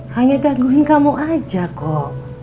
hanya gangguin kamu aja kok